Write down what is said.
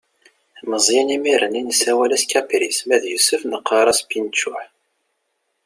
Meẓyan imir-n nessawal-as kapris, ma yusef neqqaṛ-as pinčuḥ.